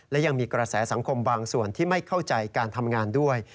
และยังมีกระแสสังคมบางส่วนที่ไม่เข้าใจการทำงานด้วย